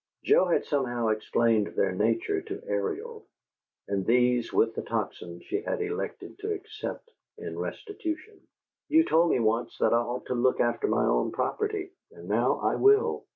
Joe had somehow explained their nature to Ariel, and these with the Tocsin she had elected to accept in restitution. "You told me once that I ought to look after my own property, and now I will.